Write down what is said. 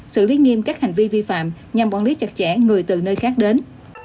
xử lý nghiêm các hành vi vi phạm nhằm quản lý chặt chẽ người từ nơi khác đến